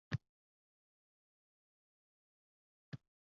Albatta katta qarshiliklar bo‘lgan